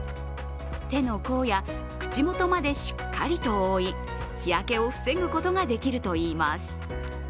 手の甲や口元までしっかりと覆い、日焼けを防ぐことができるといいます。